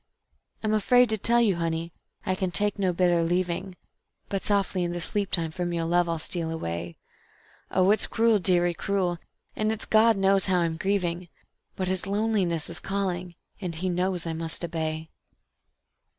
I'm afraid to tell you, Honey, I can take no bitter leaving; But softly in the sleep time from your love I'll steal away. Oh, it's cruel, dearie, cruel, and it's God knows how I'm grieving; But His loneliness is calling, and He knows I must obey.